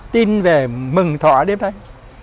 tin về mừng thọ đến đây